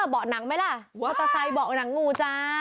เบาะหนังไหมล่ะมอเตอร์ไซค์เบาะหนังงูจ้า